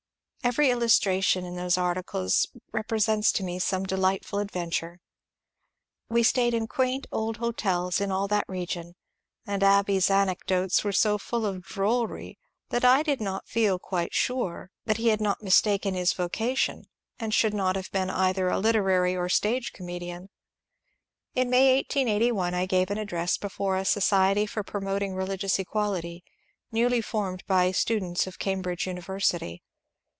Every illustration in those articles repre sents to me some .delightful adventure. We staid in quaint old hotels in all that region, and Abbey's anecdotes were so f idl of drollery that I did not feel quite sure that he had not 376 MONCURE DANIEL CONWAY mistaken bis vocation, and should not have been either a literary or stage comedian. In May, 1881, 1 gave an address before a Society for Promoting Religious Equality," newly formed by students of Cambridge University.